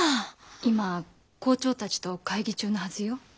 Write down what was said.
今校長たちと会議中のはずよ。